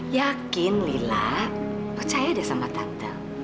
yakin mila percaya deh sama tante